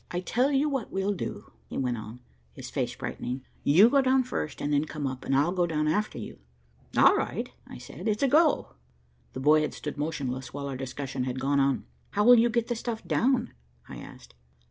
I tell you what we'll do," he went on, his face brightening, "you go down first, and then come up, and I'll go down after you." "All right," I said. "It's a go." The boy had stood motionless while our discussion had gone on. "How'll you get the stuff down?" I asked.